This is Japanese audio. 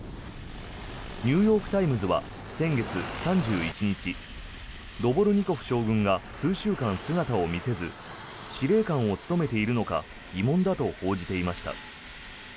ニューヨーク・タイムズは先月３１日ドボルニコフ将軍が数週間姿を見せず司令官を務めているのか疑問だと報じていました。